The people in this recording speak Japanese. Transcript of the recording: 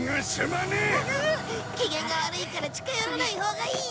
機嫌が悪いから近寄らないほうがいい。